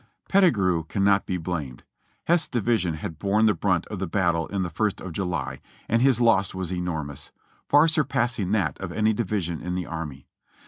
Pettigrew cannot be blamed. Heth's division had borne the brunt of the battle of the ist of July, and his loss was enormous — far surpassing that of any division in the army.